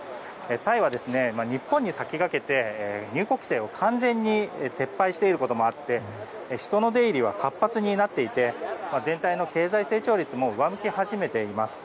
タイは、日本に先駆けて入国規制を完全に撤廃していることもあって人の出入りが活発になっていて全体の経済成長率も上向き始めています。